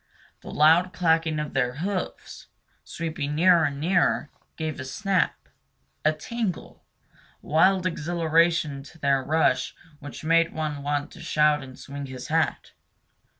The loud clacking of their hoofs, sweeping nearer and nearer, gave a snap, a tingle, a wild exhilaration to their rush which made one want to shout and swing his hat.